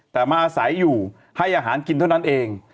แต่มาอาศัยอยู่ให้อาหารกินเท่านั้นเอง